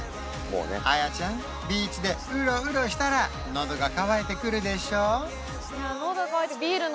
もうね綾ちゃんビーチでウロウロしたら喉が渇いてくるでしょ？